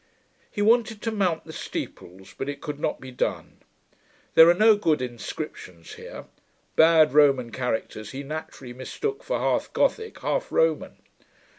He wanted to mount the steeples, but it could not be done. There are no good inscriptions here. Bad Roman characters he naturally mistook for half Gothick, half Roman.